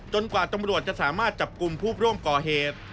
กว่าตำรวจจะสามารถจับกลุ่มผู้ร่วมก่อเหตุ